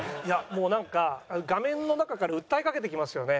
もうなんか画面の中から訴えかけてきますよね。